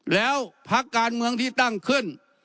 แล้วพักการเมืองที่ตั้งขึ้น